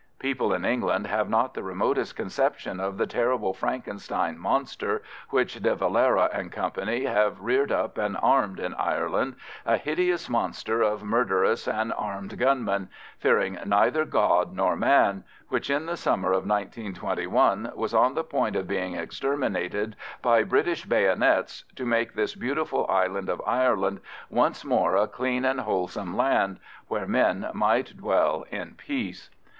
People in England have not the remotest conception of the terrible Frankenstein monster which De Valera & Co. have reared up and armed in Ireland, a hideous monster of murderous and armed gunmen, fearing neither God nor man, which in the summer of 1921 was on the point of being exterminated by British bayonets to make this beautiful island of Ireland once more a clean and wholesome land, where men might dwell in peace.